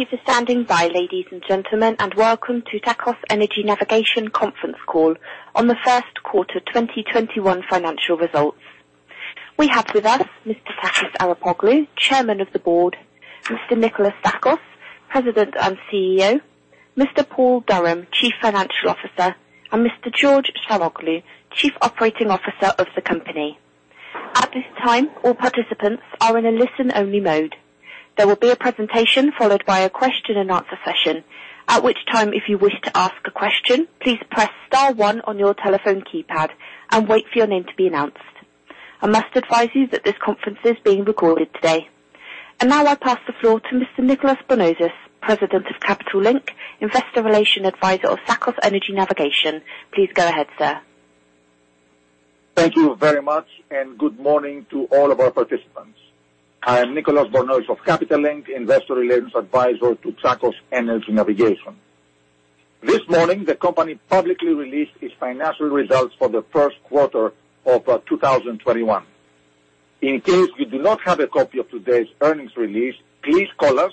Thank you for standing by, ladies and gentlemen, and welcome to Tsakos Energy Navigation conference call on the first quarter 2021 financial results. We have with us Mr. Takis Arapoglou, Chairman of the Board, Mr. Nikolas Tsakos, President and CEO, Mr. Paul Durham, Chief Financial Officer, and Mr. George Saroglou, Chief Operating Officer of the company. At this time, all participants are in a listen-only mode. There will be a presentation followed by a question and answer session. At which time, if you wish to ask a question, please press star one on your telephone keypad and wait for your name to be announced. I must advise you that this conference is being recorded today. And now I pass the floor to Mr. Nicolas Bornozis, President of Capital Link, Investor Relations Advisor of Tsakos Energy Navigation. Please go ahead, sir. Thank you very much, and good morning to all of our participants. I am Nicolas Bornozis of Capital Link, investor relations advisor to Tsakos Energy Navigation. This morning, the company publicly released its financial results for the first quarter of 2021. In case you do not have a copy of today's earnings release, please call us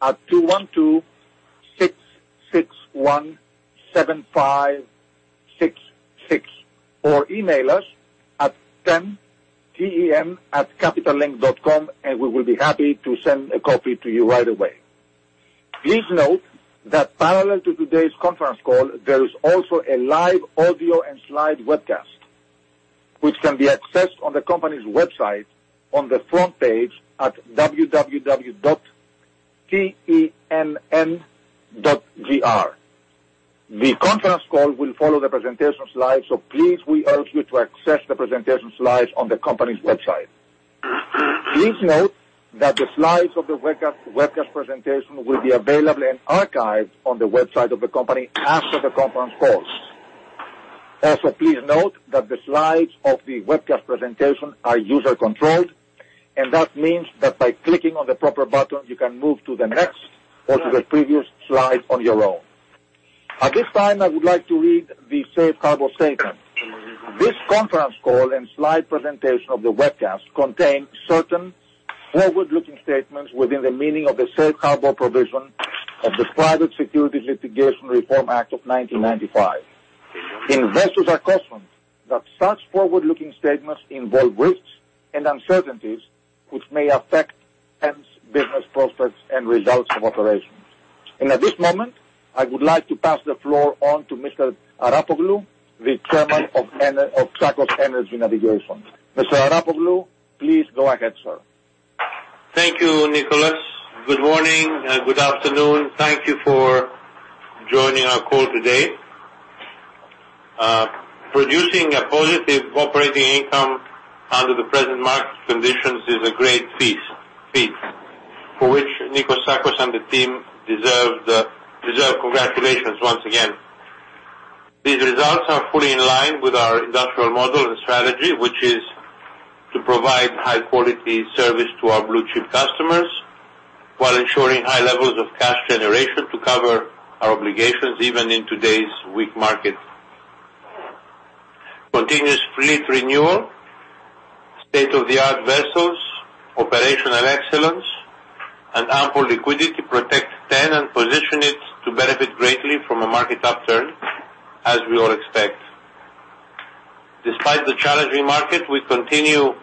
at 212-661-7566 or email us at TEN, T-E-N, @capitallink.com and we will be happy to send a copy to you right away. Please note that parallel to today's conference call, there is also a live audio and slide webcast, which can be accessed on the company's website on the front page at www.tenn.gr. The conference call will follow the presentation slides, so please, we urge you to access the presentation slides on the company's website. Please note that the slides of the webcast presentation will be available in archive on the website of the company after the conference call. Also, please note that the slides of the webcast presentation are user-controlled, and that means that by clicking on the proper button, you can move to the next or to the previous slide on your own. At this time, I would like to read the safe harbor statement. This conference call and slide presentation of the webcast contain certain forward-looking statements within the meaning of the safe harbor provision of the Private Securities Litigation Reform Act of 1995. Investors are cautioned that such forward-looking statements involve risks and uncertainties, which may affect TEN's business prospects and results of operations. At this moment, I would like to pass the floor on to Mr. Arapoglou, the Chairman of Tsakos Energy Navigation. Mr. Arapoglou, please go ahead, sir. Thank you, Nicolas. Good morning and good afternoon. Thank you for joining our call today. Producing a positive operating income under the present market conditions is a great feat, for which Niko Tsakos and the team deserve congratulations once again. These results are fully in line with our industrial model and strategy, which is to provide high-quality service to our blue-chip customers while ensuring high levels of cash generation to cover our obligations, even in today's weak market. Continuous fleet renewal, state-of-the-art vessels, operational excellence, and ample liquidity protect TEN and position it to benefit greatly from a market upturn, as we all expect. Despite the challenging market, we continue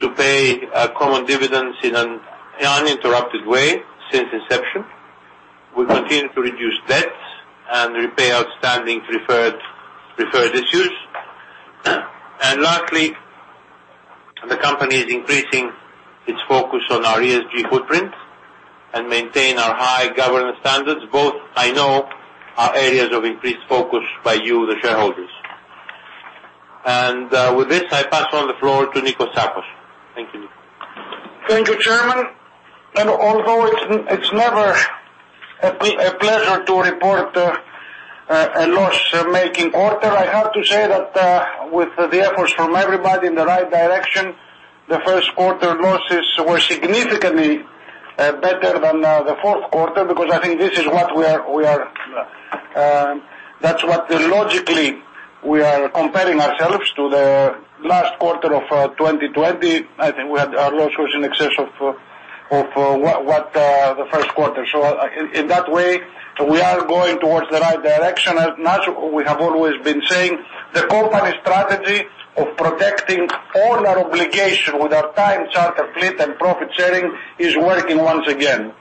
to pay common dividends in an uninterrupted way since inception. We continue to reduce debt and repay outstanding preferred issues. Lastly, the company is increasing its focus on our ESG footprint and maintain our high governance standards. Both, I know, are areas of increased focus by you, the shareholders. With this, I pass on the floor to Niko Tsakos. Thank you, Nico. Thank you, Chairman. Although it's never a pleasure to report a loss-making quarter, I have to say that with the efforts from everybody in the right direction, the first quarter losses were significantly better than the fourth quarter because I think that's what logically we are comparing ourselves to the last quarter of 2020. I think our loss was in excess of the first quarter. In that way, we are going towards the right direction. As we have always been saying, the company strategy of protecting all our obligations with our time charter fleet and profit sharing is working once again.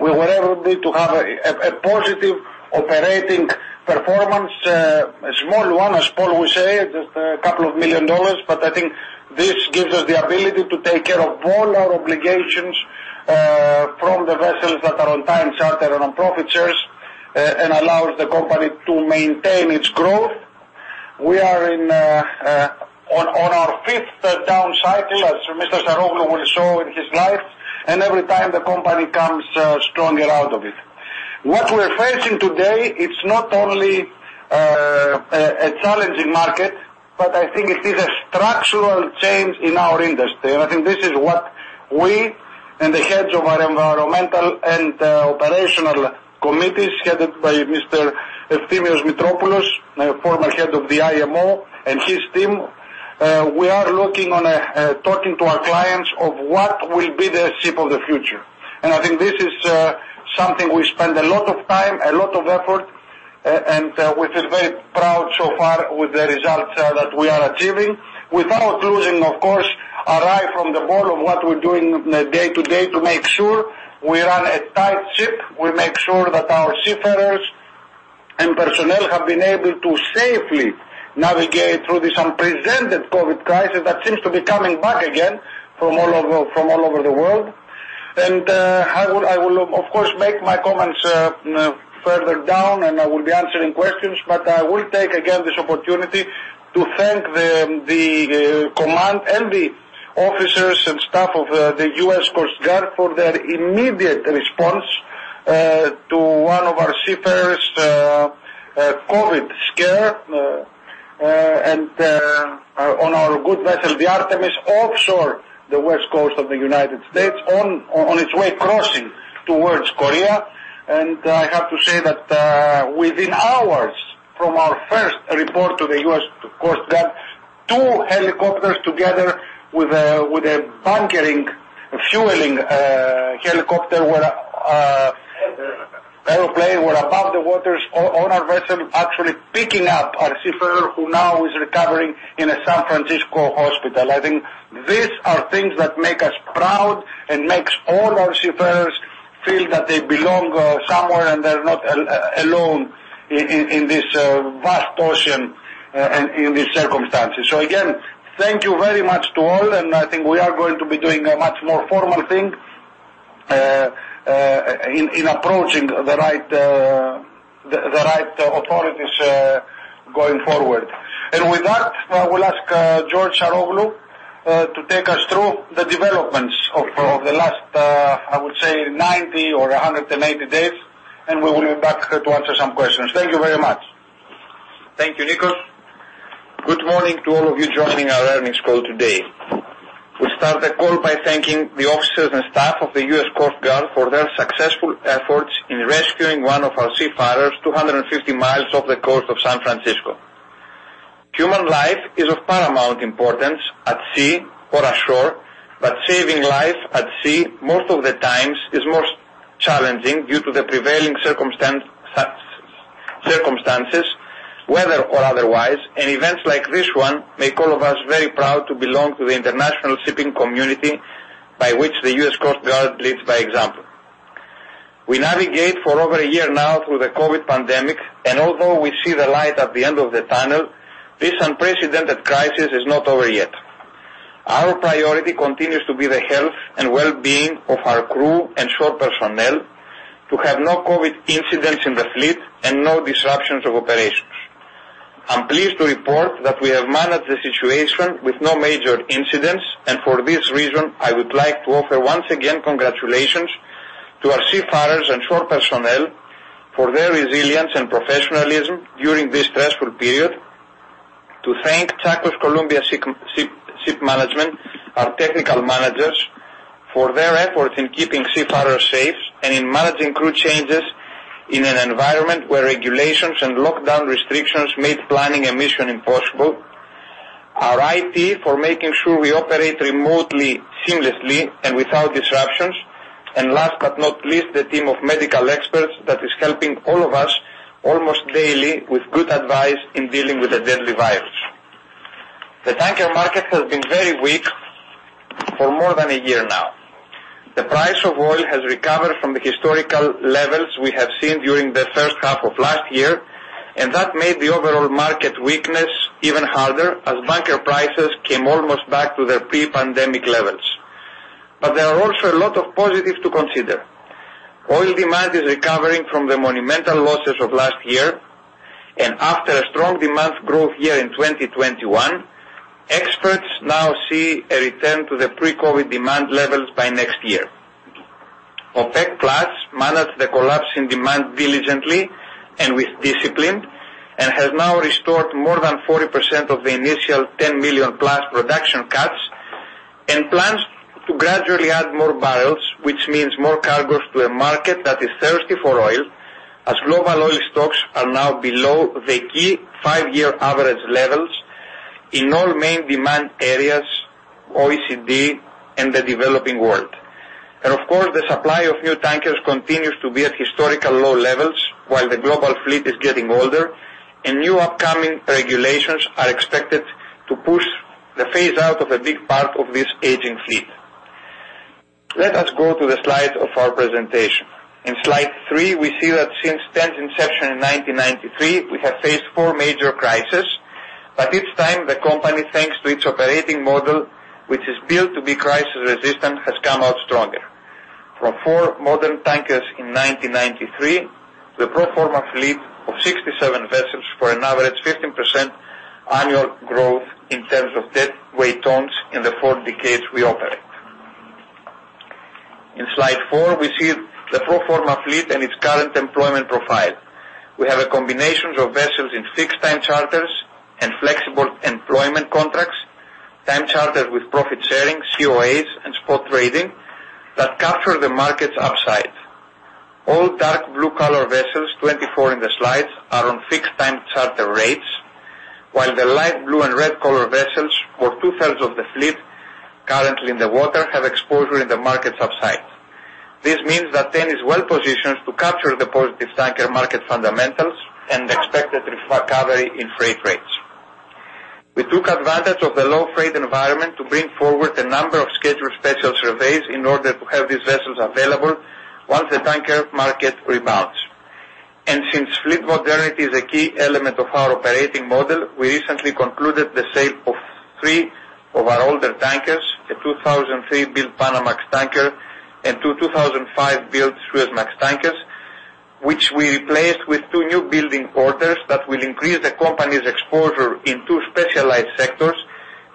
We were able to have a positive operating performance, a small one, as Paul would say, just a couple of million dollars. I think this gives us the ability to take care of all our obligations from the vessels that are on time charter and on profit shares and allows the company to maintain its growth. We are on our fifth down cycle, as Mr. Arapoglou will show in his slides. Every time the company comes strongly out of it. What we are facing today, it is not only a challenging market, but I think it is a structural change in our industry. I think this is what we and the heads of our mental and operational committees headed by Mr. Efthimios Mitropoulos, former head of the IMO, and his team are looking on talking to our clients of what will be the ship of the future. I think this is something we spend a lot of time, a lot of effort, and which is very proud so far with the results that we are achieving. Without losing, of course, our eye from the ball of what we're doing day to day to make sure we run a tight ship. We make sure that our seafarers and personnel have been able to safely navigate through this unprecedented COVID crisis that seems to be coming back again from all over the world. I will, of course, make my comments further down, and I will be answering questions, but I will take again this opportunity to thank the command and the officers and staff of the U.S. Coast Guard for their immediate response to one of our seafarers' COVID scare on our good vessel, the Artemis, offshore the West Coast of the U.S. on its way crossing towards Korea. I have to say that within hours from our first report to the U.S. Coast Guard, two helicopters together with a bunkering fueling airplane were above the waters on our vessel, actually picking up our seafarer, who now is recovering in a San Francisco hospital. I think these are things that make us proud and makes all our seafarers feel that they belong somewhere and they're not alone in this vast ocean and in these circumstances. Again, thank you very much to all. I think we are going to be doing a much more formal thing in approaching the right authorities going forward. With that, I will ask George Saroglou to take us through the developments of the last, I would say 90 or 180 days. We will be back to answer some questions. Thank you very much. Thank you, Nikos. Good morning to all of you joining our earnings call today. We start the call by thanking the officers and staff of the U.S. Coast Guard for their successful efforts in rescuing one of our seafarers 250 mi off the coast of San Francisco. Human life is of paramount importance at sea or on shore, but saving lives at sea, most of the times, is most challenging due to the prevailing circumstances, weather or otherwise, and events like this one make all of us very proud to belong to the international shipping community by which the U.S. Coast Guard leads by example. We navigate for over a year now through the COVID pandemic, and although we see the light at the end of the tunnel, this unprecedented crisis is not over yet. Our priority continues to be the health and well-being of our crew and shore personnel, to have no COVID incidents in the fleet and no disruptions of operations. I'm pleased to report that we have managed the situation with no major incidents, and for this reason, I would like to offer once again congratulations to our seafarers and shore personnel for their resilience and professionalism during this stressful period. To thank Tsakos Columbia Shipmanagement, our technical managers, for their efforts in keeping seafarers safe and in managing crew changes in an environment where regulations and lockdown restrictions made planning a mission impossible. Our IT for making sure we operate remotely, seamlessly, and without disruptions. Last but not least, the team of medical experts that is helping all of us almost daily with good advice in dealing with the deadly virus. The tanker market has been very weak for more than one year now. The price of oil has recovered from the historical levels we have seen during the first half of last year. That made the overall market weakness even harder as tanker prices came almost back to their pre-pandemic levels. There are also a lot of positives to consider. Oil demand is recovering from the monumental losses of last year. After a strong demand growth year in 2021, experts now see a return to the pre-COVID demand levels by next year. OPEC Plus managed the collapse in demand diligently and with discipline, has now restored more than 40% of the initial 10 million+ production cuts and plans to gradually add more barrels, which means more cargos to a market that is thirsty for oil, as global oil stocks are now below the key five-year average levels in all main demand areas, OECD and the developing world. Of course, the supply of new tankers continues to be at historical low levels while the global fleet is getting older and new upcoming regulations are expected to push the phase-out of a big part of this aging fleet. Let us go to the slides of our presentation. In slide three, we see that since TEN's inception in 1993, we have faced four major crisis. Each time, the company, thanks to its operating model, which is built to be crisis-resistant, has come out stronger. From four modern tankers in 1993 to a pro forma fleet of 67 vessels for an average 15% annual growth in terms of deadweight tons in the four decades we operate. In slide four, we see the pro forma fleet and its current employment profile. We have a combination of vessels in fixed-time charters and flexible employment contracts. Time charter with profit sharing, COAs, and spot trading that capture the market's upside. All dark blue color vessels, 24 in the slides, are on fixed time charter rates, while the light blue and red color vessels, or two-thirds of the fleet currently in the water, have exposure in the market's upside. This means that TEN is well-positioned to capture the positive tanker market fundamentals and the expected recovery in freight rates. We took advantage of the low freight environment to bring forward a number of scheduled special surveys in order to have these vessels available once the tanker market rebounds. Since fleet modernity is a key element of our operating model, we recently concluded the sale of three of our older tankers, a 2003-built Panamax tanker and 2 2005-built Suezmax tankers, which we replaced with two newbuilding orders that will increase the company's exposure in two specialized sectors,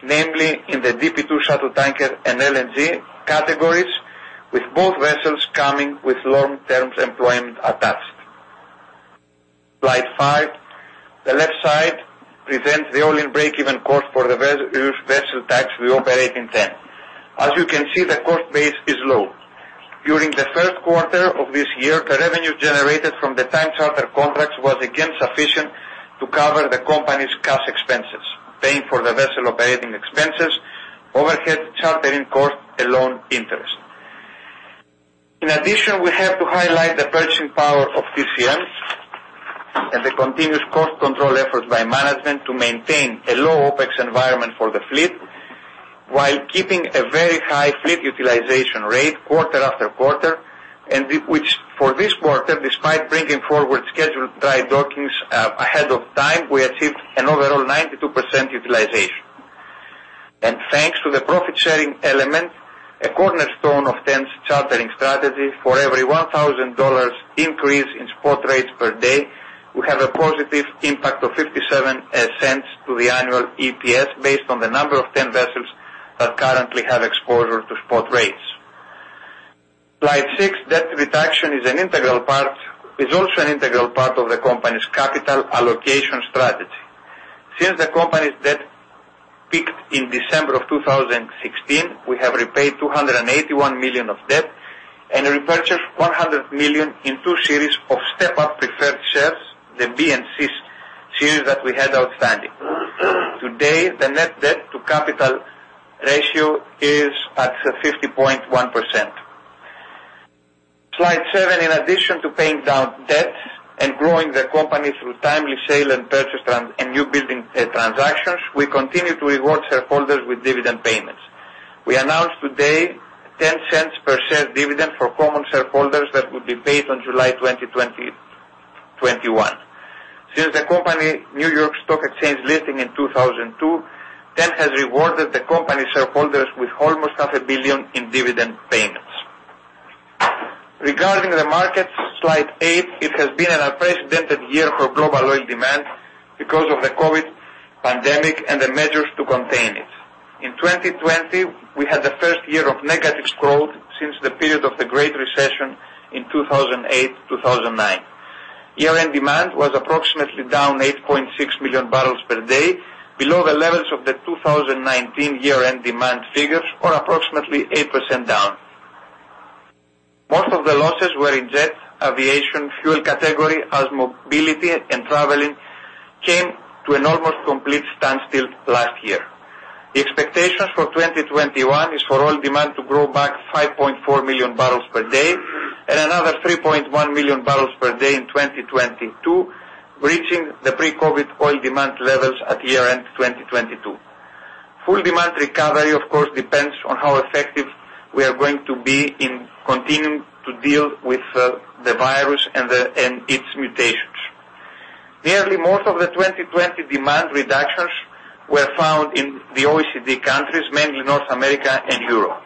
namely in the DP2 shuttle tanker and LNG categories, with both vessels coming with long-term employment attached. Slide five. The left side presents the all-in breakeven cost for the vessel types we operate in TEN. As you can see, the cost base is low. During the first quarter of this year, the revenue generated from the time charter contracts was again sufficient to cover the company's cash expenses, paying for the vessel operating expenses, overhead, chartering cost, and loan interest. In addition, we have to highlight the pricing power of TEN and the continuous cost control efforts by management to maintain a low OpEx environment for the fleet while keeping a very high fleet utilization rate quarter after quarter, which for this quarter, despite bringing forward scheduled dry dockings ahead of time, we achieved an overall 92% utilization. Thanks to the profit-sharing element, a cornerstone of TEN's chartering strategy, for every $1,000 increase in spot rates per day, we have a positive impact of $0.57 to the annual EPS based on the number of TEN vessels that currently have exposure to spot rates. Slide six, debt reduction is also an integral part of the company's capital allocation strategy. Since the company's debt peaked in December of 2016, we have repaid $281 million of debt and repurchased $100 million in two series of step-up preferred shares, the Series B and Series C that we had outstanding. Today, the net debt to capital ratio is at 50.1%. Slide seven. In addition to paying down debt and growing the company through timely sale and purchase and newbuilding transactions, we continue to reward shareholders with dividend payments. We announced today a $0.10 per share dividend for common shareholders that would be paid on July 20, 2021. Since the company New York Stock Exchange listing in 2002, TEN has rewarded the company shareholders with almost half a billion dollars in dividend payments. Regarding the market, slide eight, it has been an unprecedented year for global oil demand because of the COVID pandemic and the measures to contain it. In 2020, we had the first year of negative growth since the period of the Great Recession in 2008, 2009. Year-end demand was approximately down 8.6 million barrels per day, below the levels of the 2019 year-end demand figures or approximately 8% down. Most of the losses were in jet aviation fuel category as mobility and traveling came to an almost complete standstill last year. The expectation for 2021 is for oil demand to grow back 5.4 million bpd and another 3.1 million barrels per day in 2022, reaching the pre-COVID oil demand levels at year-end 2022. Full demand recovery, of course, depends on how effective we are going to be in continuing to deal with the virus and its mutations. Nearly most of the 2020 demand reductions were found in the OECD countries, mainly North America and Europe.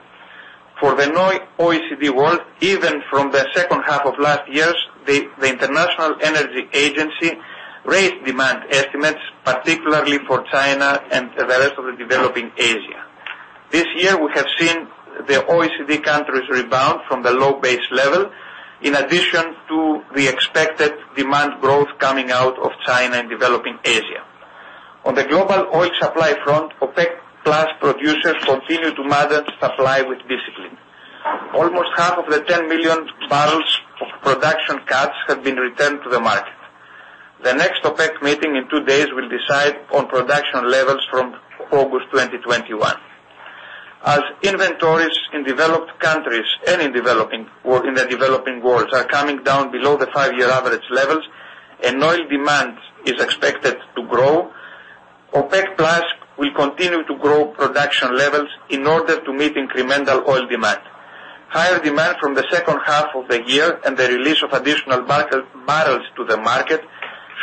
For the non-OECD world, even from the second half of last year, the International Energy Agency raised demand estimates, particularly for China and the rest of the developing Asia. This year, we have seen the OECD countries rebound from the low base level in addition to the expected demand growth coming out of China and developing Asia. On the global oil supply front, OPEC Plus producers continue to manage supply with discipline. Almost half of the 10 million bbl of production cuts have been returned to the market. The next OPEC meeting in 2 days will decide on production levels from August 2021. As inventories in developed countries and in the developing world are coming down below the 5-year average levels and oil demand is expected to grow, OPEC Plus will continue to grow production levels in order to meet incremental oil demand. Higher demand from the second half of the year and the release of additional barrels to the market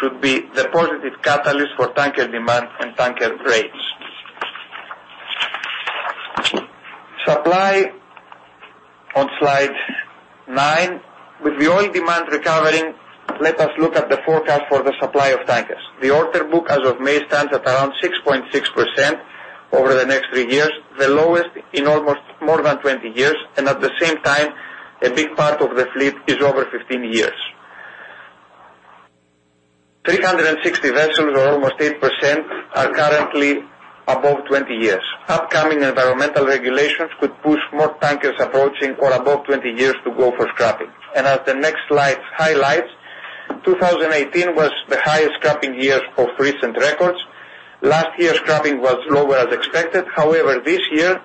should be the positive catalyst for tanker demand and tanker rates. Supply on slide nine. With the oil demand recovering, let us look at the forecast for the supply of tankers. The order book as of May stands at around 6.6% over the next 3 years, the lowest in almost more than 20 years, and at the same time, a big part of the fleet is over 15 years. 360 vessels or almost 8% are currently above 20 years. Upcoming environmental regulations could push more tankers approaching or above 20 years to go for scrapping. As the next slide highlights, 2018 was the highest scrapping year of recent records. Last year, scrapping was lower than expected. This year,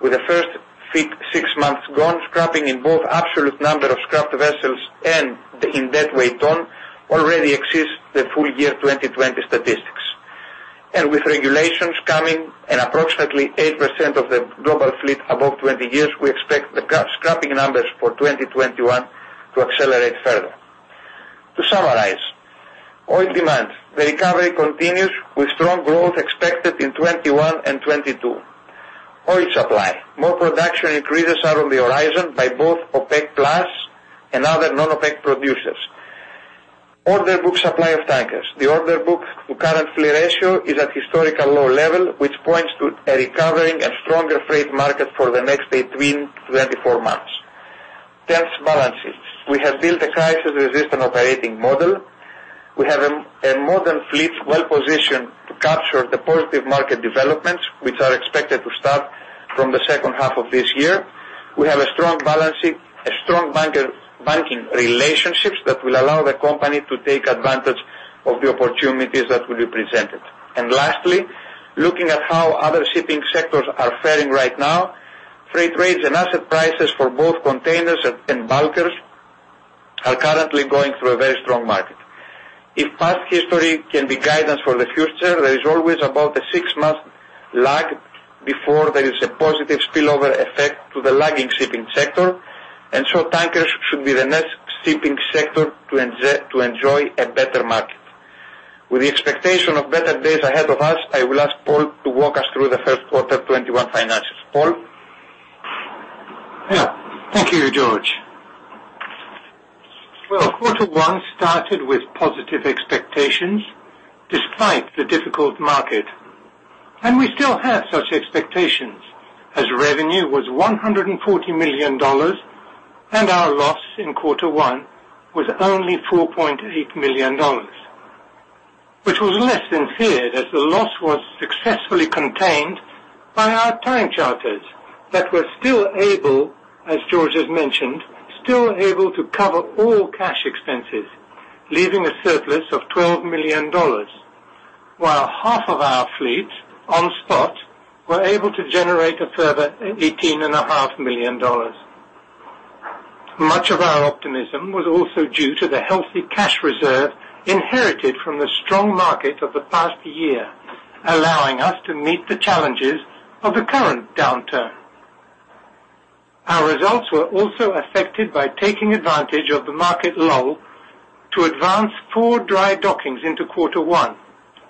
with the first 6 months gone, scrapping in both absolute number of scrapped vessels and in deadweight tons already exceeds the full year 2020 statistics. With regulations coming and approximately 8% of the global fleet above 20 years, we expect the scrapping numbers for 2021 to accelerate further. To summarize, oil demand, the recovery continues with strong growth expected in 2021 and 2022. Oil supply, more production increases are on the horizon by both OPEC Plus and other non-OPEC producers. Order book supply of tankers. The order book to current fleet ratio is at historical low level, which points to a recovering and stronger freight market for the next 18-24 months. TEN's balances. We have built a crisis-resistant operating model. We have a modern fleet well-positioned to capture the positive market developments, which are expected to start from the second half of this year. We have strong banking relationships that will allow the company to take advantage of the opportunities that will be presented. Lastly, looking at how other shipping sectors are faring right now, freight rates and asset prices for both containers and bulkers are currently going through a very strong market. If past history can be guidance for the future, there is always about a 6-month lag before there is a positive spillover effect to the lagging shipping sector. Tankers should be the next shipping sector to enjoy a better market. With the expectation of better days ahead of us, I will ask Paul to walk us through the first quarter 2021 finances. Paul? Thank you, George. Well, Q1 started with positive expectations despite the difficult market, and we still have such expectations as revenue was $140 million, and our loss in Q1 was only $4.8 million, which was less than feared as the loss was successfully contained by our time charters that were still able, as George has mentioned, to cover all cash expenses, leaving a surplus of $12 million. While half of our fleet on spot were able to generate a further $18.5 million. Much of our optimism was also due to the healthy cash reserve inherited from the strong market of the past year, allowing us to meet the challenges of the current downturn. Our results were also affected by taking advantage of the market lull to advance four dry dockings into Q1,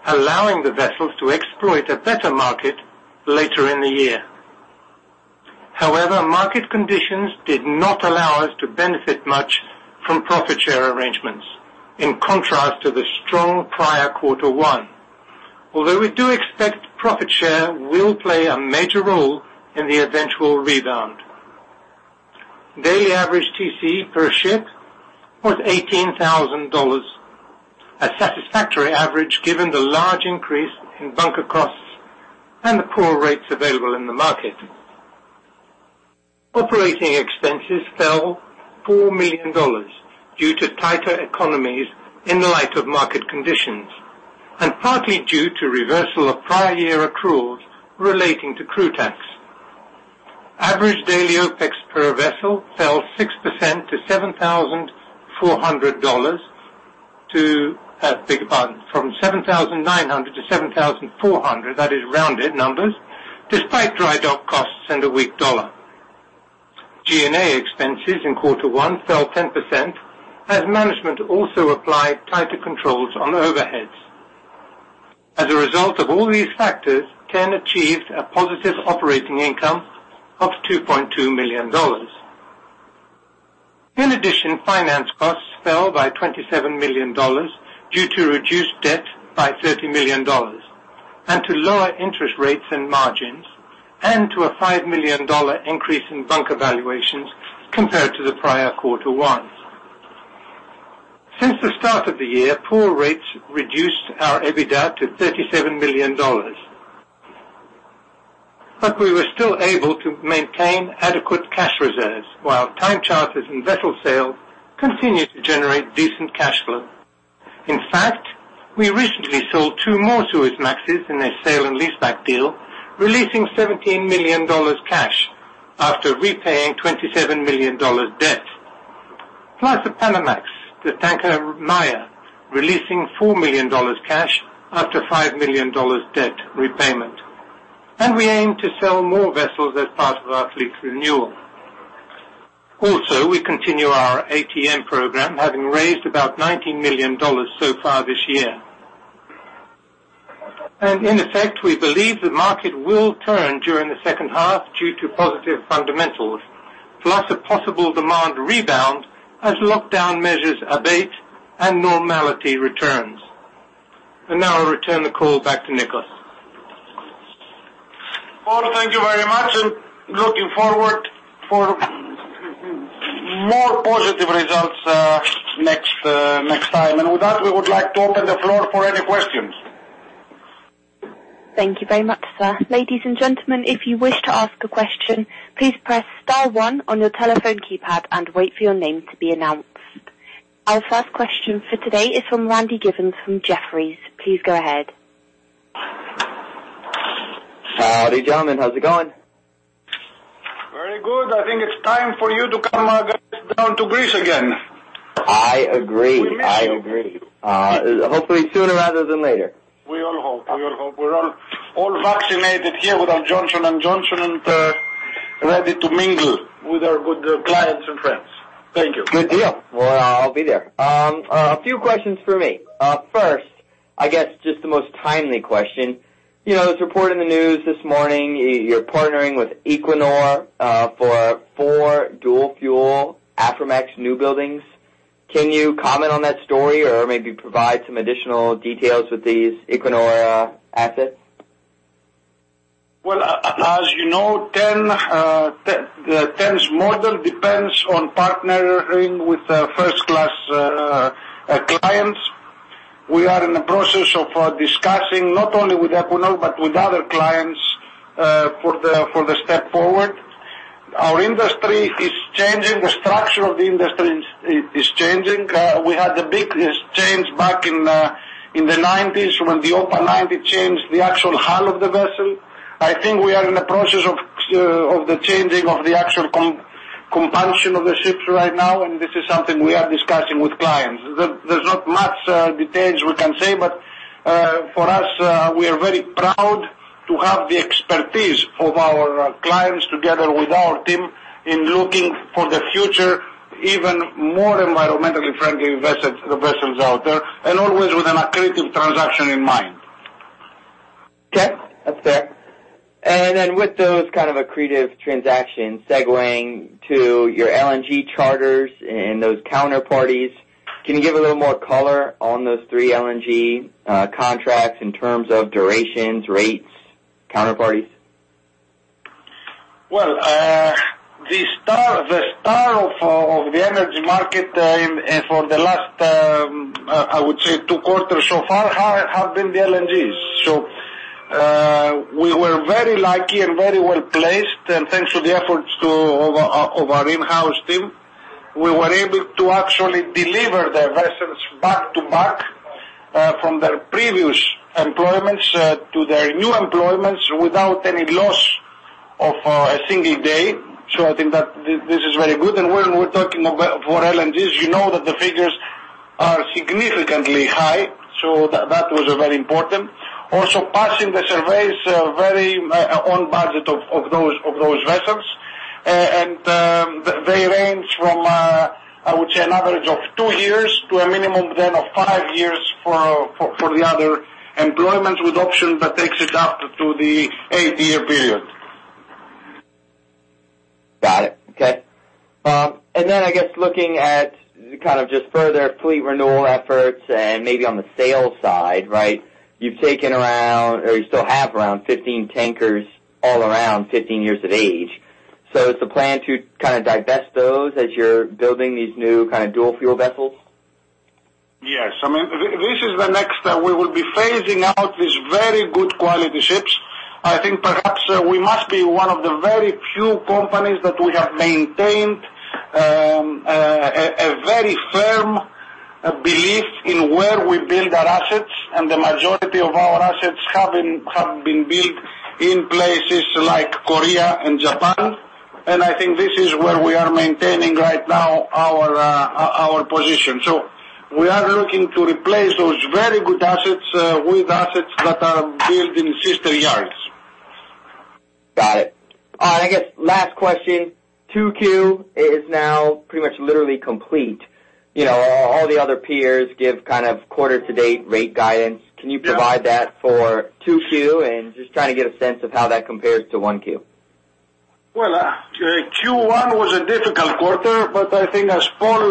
allowing the vessels to exploit a better market later in the year. However, market conditions did not allow us to benefit much from profit share arrangements in contrast to the strong prior quarter one. Although we do expect profit share will play a major role in the eventual rebound. Daily average TC per ship was $18,000, a satisfactory average given the large increase in bunker costs and the poor rates available in the market. Operating expenses fell $4 million due to tighter economies in the light of market conditions, and partly due to reversal of prior year accruals relating to crew tax. Average daily OpEx per vessel fell 6% from $7,900 to $7,400, that is rounded numbers, despite dry dock costs and a weak dollar. G&A expenses in quarter one fell 10% as management also applied tighter controls on overheads. As a result of all these factors, TEN achieved a positive operating income of $2.2 million. Finance costs fell by $27 million due to reduced debt by $30 million and to lower interest rates and margins, and to a $5 million increase in bunker valuations compared to the prior quarter ones. Since the start of the year, poor rates reduced our EBITDA to $37 million. We were still able to maintain adequate cash reserves, while time charters and vessel sales continued to generate decent cash flow. In fact, we recently sold two more Suezmaxes in a sale and leaseback deal, releasing $17 million cash after repaying $27 million debt. Plus a Panamax, the tanker Maya, releasing $4 million cash after $5 million debt repayment. We aim to sell more vessels as part of our fleet renewal. Also, we continue our ATM program, having raised about $90 million so far this year. In effect, we believe the market will turn during the second half due to positive fundamentals, plus a possible demand rebound as lockdown measures abate and normality returns. Now I return the call back to Niko. Well, thank you very much, and looking forward for more positive results next time. With that, we would like to open the floor for any questions. Thank you very much, sir. Ladies and gentlemen, if you wish to ask a question, please press star one on your telephone keypad and wait for your name to be announced. Our first question for today is from Randy Giveans from Jefferies. Please go ahead. Howdy, gentlemen. How's it going? Very good. I think it's time for you to come down to Greece again. I agree. I agree. Hopefully sooner rather than later. We miss you. We all hope. We are all vaccinated here with our Johnson & Johnson, ready to mingle with our good clients and friends. Thank you. Good deal. Well, I'll be there. A few questions for me. First, I guess just the most timely question, it was reported in the news this morning, you're partnering with Equinor for four dual fuel Aframax new buildings. Can you comment on that story or maybe provide some additional details of these Equinor assets? As you know, TEN's model depends on partnering with first-class clients. We are in the process of discussing, not only with Equinor, but with other clients for the step forward. Our industry is changing. The structure of the industry is changing. We had the biggest change back in the '90s when the OPA 90 changed the actual hull of the vessel. I think we are in the process of the changing of the actual propulsion of the ships right now, and this is something we are discussing with clients. There's not much details we can say, but for us, we are very proud to have the expertise of our clients together with our team in looking for the future, even more environmentally friendly vessels out there, and always with an accretive transaction in mind. Okay. That's fair. Then with those kind of accretive transactions, segueing to your LNG charters and those counterparties, can you give a little more color on those three LNG contracts in terms of durations, rates, counterparties? The star of the energy market for the last, I would say, two quarters so far have been the LNGs. We were very lucky and very well-placed, and thanks to the efforts of our in-house team, we were able to actually deliver their vessels back-to-back from their previous employments to their new employments without any loss of 1 day. I think that this is very good. When we're talking for LNGs, you know that the figures are significantly high, so that was very important. Passing the surveys on budget of those vessels, and they range from, I would say, an average of 2 years to a minimum then of 5 years for the other employments with options that takes it up to the 8-year period. Got it. Okay. I guess looking at kind of just further fleet renewal efforts and maybe on the sales side, you've taken around, or you still have around 15 tankers all around 15 years of age. Is the plan to kind of divest those as you're building these new kind of dual-fuel vessels? Yes. This is the next step. We will be phasing out these very good quality ships. I think perhaps we must be one of the very few companies that we have maintained a very firm belief in where we build our assets, and the majority of our assets have been built in places like Korea and Japan. I think this is where we are maintaining right now our position. We are looking to replace those very good assets with assets that are built in sister yards. Got it. I guess last question, 2Q is now pretty much literally complete. All the other peers give kind of quarter-to-date rate guidance. Can you provide that for 2Q? Just trying to get a sense of how that compares to 1Q. Well, Q1 was a difficult quarter. I think as Paul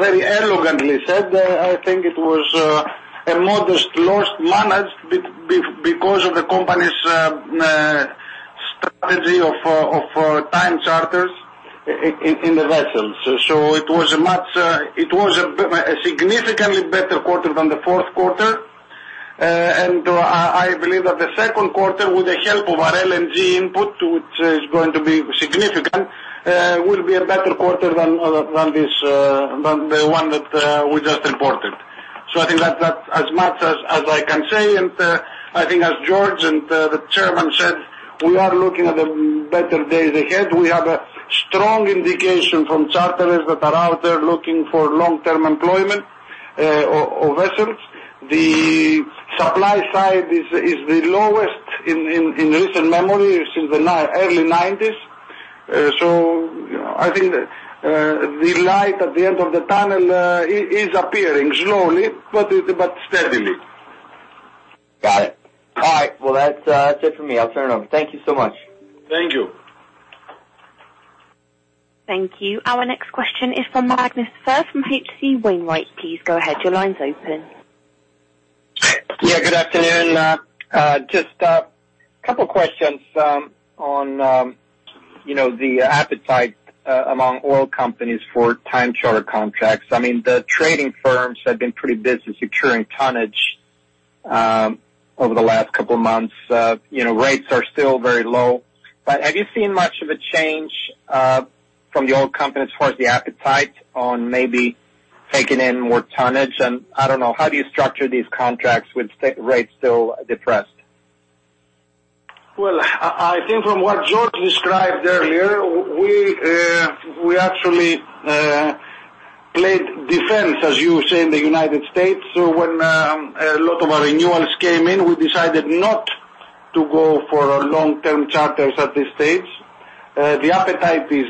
very eloquently said, I think it was a modest loss managed because of the company's strategy of time charters in the vessels. It was a significantly better quarter than the fourth quarter. I believe that the second quarter, with the help of our LNG input, which is going to be significant, will be a better quarter than the one that we just reported. I think that's as much as I can say. I think as George and the Chairman said, we are looking at better days ahead. We have a strong indication from charterers that are out there looking for long-term employment of vessels. The supply side is the lowest in recent memory, since the early '90s. I think the light at the end of the tunnel is appearing slowly but steadily. Got it. All right. Well, that's it for me. I'll turn it off. Thank you so much. Thank you. Thank you. Our next question is from Magnus Fyhr from H.C. Wainwright. Please go ahead. Your line's open. Yeah, good afternoon. Just a couple questions on the appetite among oil companies for time charter contracts. The trading firms have been pretty busy securing tonnage over the last couple of months. Rates are still very low. Have you seen much of a change from the oil companies towards the appetite on maybe taking in more tonnage? I don't know, how do you structure these contracts with rates still depressed? Well, I think from what George described earlier, we actually played defense, as you say, in the U.S. When a lot of our renewals came in, we decided not to go for long-term charters at this stage. The appetite is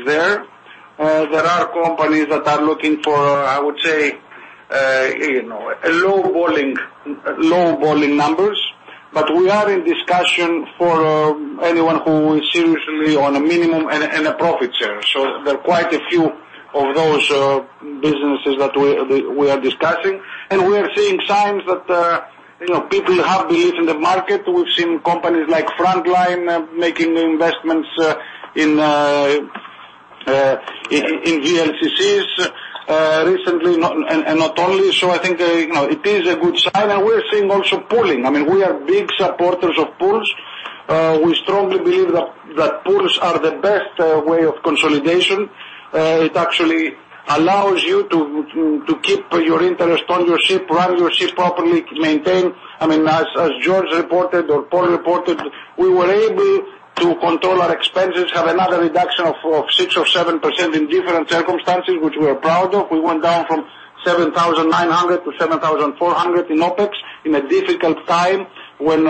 there. There are companies that are looking for, I would say, low-balling numbers. We are in discussion for anyone who is seriously on a minimum and a profit share. There are quite a few of those businesses that we are discussing. We are seeing signs that people have belief in the market. We've seen companies like Frontline making investments in VLCCs recently, and not only. I think it is a good sign. We are seeing also pooling. We are big supporters of pools. We strongly believe that pools are the best way of consolidation. It actually allows you to keep your interest on your ship, run your ship properly, maintain. As George reported or Paul reported, we were able to control our expenses, have another reduction of 6% or 7% in difficult circumstances, which we are proud of. We went down from $7,900 to $7,400 in OpEx in a difficult time when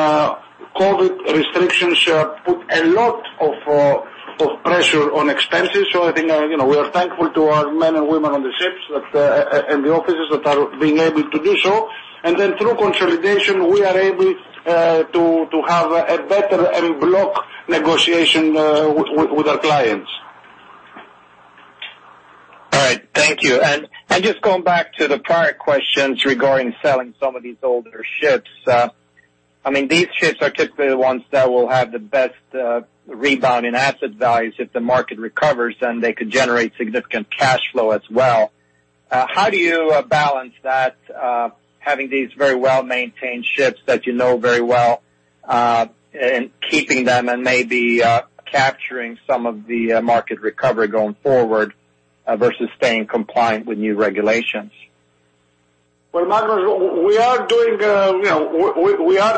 COVID restrictions put a lot of pressure on expenses. I think, we are thankful to our men and women on the ships and the offices that are being able to do so. Through consolidation, we are able to have a better en bloc negotiation with our clients. All right. Thank you. Just going back to the prior questions regarding selling some of these older ships. These ships are typically the ones that will have the best rebounding asset values if the market recovers, then they could generate significant cash flow as well. How do you balance that, having these very well-maintained ships that you know very well, and keeping them and maybe capturing some of the market recovery going forward versus staying compliant with new regulations? Magnus, we are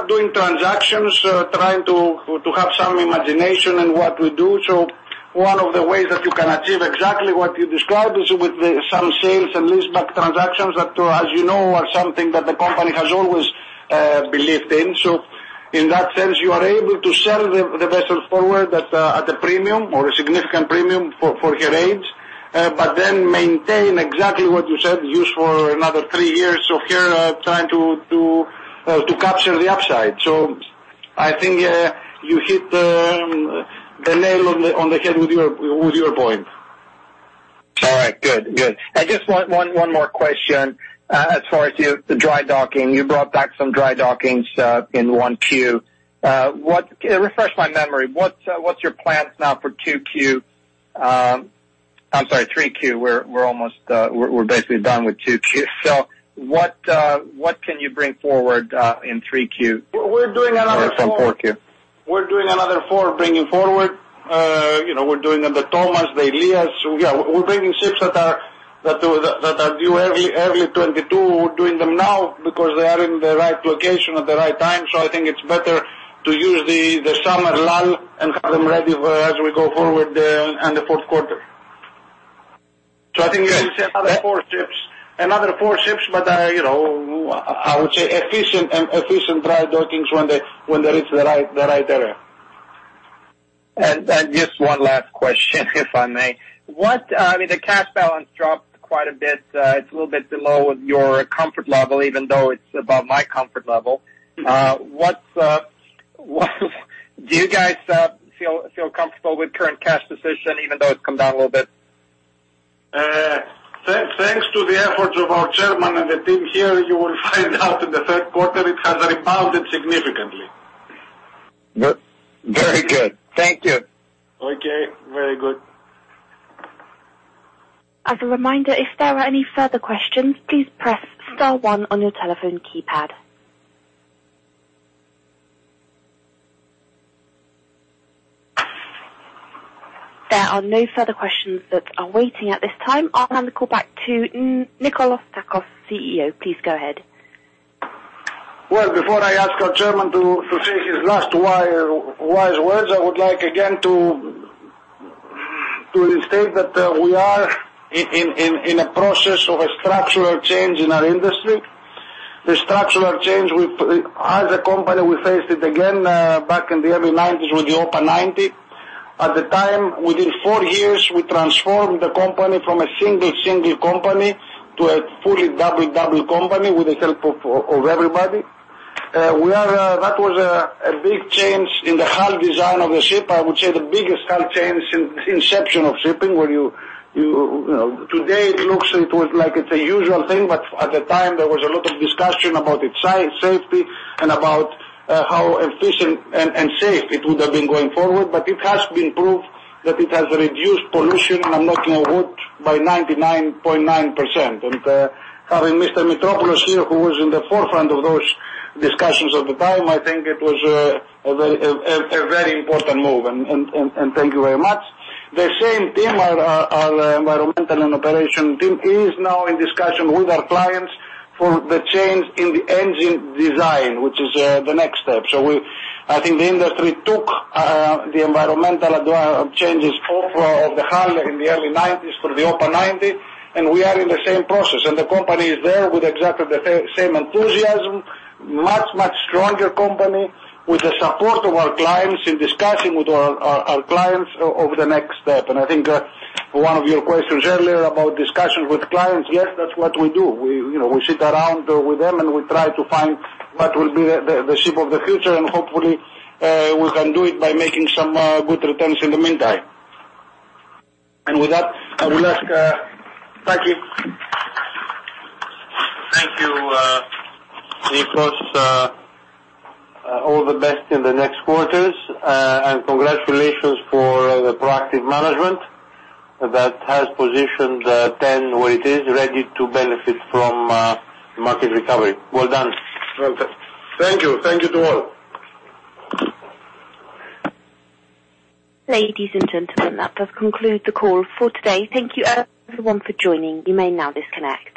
doing transactions, trying to have some imagination in what we do. One of the ways that you can achieve exactly what you described is with some sales and leaseback transactions that, as you know, are something that the company has always believed in. In that sense, you are able to sell the vessel forward at a premium or a significant premium for her age, but then maintain exactly what you said, use for another 3 years. Here, we are trying to capture the upside. I think you hit the nail on the head with your point. All right, good. Just one more question. As far as the dry docking, you brought back some dry dockings in 1Q. Refresh my memory. What's your plans now for 2Q? I'm sorry, 3Q. We're basically done with 2Q. What can you bring forward in 3Q? We're doing another four. Sorry, 4Q. We're doing another four bringing forward. We're doing them the Thomas, the Elias. Yeah, we're bringing ships that are due early 2022. We're doing them now because they are in the right location at the right time. I think it's better to use the summer lull and have them ready as we go forward in the fourth quarter. I think it's just another four ships. Another four ships, I would say efficient dry dockings when there is the right area. Just one last question, if I may. The cash balance dropped quite a bit. It's a little bit below your comfort level, even though it's above my comfort level. Do you guys feel comfortable with current cash position, even though it's come down a little bit? Thanks to the efforts of our chairman and the team here, you will find out in the third quarter it has rebounded significantly. Very good. Thank you. Okay, very good. As a reminder, if there are any further questions, please press star one on your telephone keypad. There are no further questions that are waiting at this time. I'm going to go back to Nikolas Tsakos, CEO. Please go ahead. Well, before I ask our Chairman to say his last wise words, I would like again to restate that we are in a process of a structural change in our industry, a structural change as a company, we faced it again back in the early '90s with the OPA 90. At the time, within four years, we transformed the company from a single-hull company to a fully double-hull company with the help of everybody. That was a big change in the hull design of the ship. I would say the biggest hull change since the inception of shipping. Today it looks like it's a usual thing, but at the time there was a lot of discussion about its size, safety, and about how efficient and safe it would have been going forward. But it has been proved that it has reduced pollution and knocked on wood by 99.9%. Having Mr. Mitropoulos here, who was in the forefront of those discussions at the time, I think it was a very important move, and thank you very much. The same team, our environmental and operation team, is now in discussion with our clients for the change in the engine design, which is the next step. I think the industry took the environmental changes forefront of the hull in the early '90s for the OPA 90, and we are in the same process, and the company is there with exactly the same enthusiasm, much, much stronger company with the support of our clients, in discussion with our clients over the next step. I think that one of your questions earlier about discussions with clients, yes, that's what we do. We sit around with them, we try to find what will be the ship of the future, hopefully, we can do it by making some good returns in the meantime. With that, I will ask, thank you. Thank you, Nikos. All the best in the next quarters and congratulations for the proactive management that has positioned TEN where it is ready to benefit from market recovery. Well done. Thank you. Thank you to all. Ladies and gentlemen, that concludes the call for today. Thank you everyone for joining. You may now disconnect.